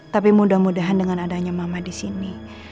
tapi mudah mudahan dengan adanya mama disini